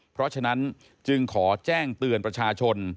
เพราะฉะนั้นจึงขอแจ้งเตือนประชาชน